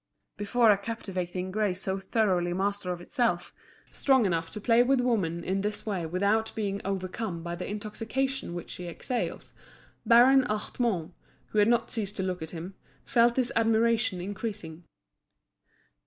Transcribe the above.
Before a captivating grace so thoroughly master of itself, strong enough to play with woman in this way without being overcome by the intoxication which she exhales, Baron Hartmann, who had not ceased to look at him, felt his admiration increasing.